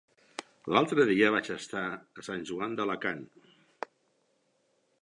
L'altre dia vaig estar a Sant Joan d'Alacant.